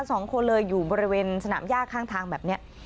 สองคนเลยอยู่บริเวณสนามย่าข้างทางแบบเนี้ย